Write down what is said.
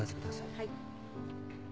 はい。